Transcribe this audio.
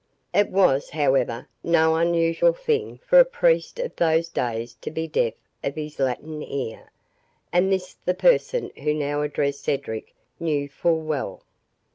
It was, however, no unusual thing for a priest of those days to be deaf of his Latin ear, and this the person who now addressed Cedric knew full well.